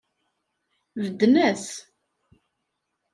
Bedden-as.